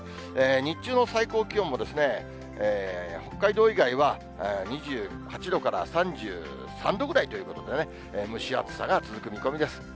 日中の最高気温も、北海道以外は２８度から３３度ぐらいということで、蒸し暑さが続く見込みです。